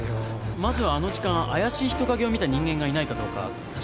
まずはあの時間怪しい人影を見た人間がいないかどうか確かめてみませんか？